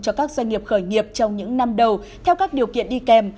cho các doanh nghiệp khởi nghiệp trong những năm đầu theo các điều kiện đi kèm